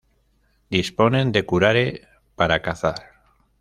Disponen de curare para cazar.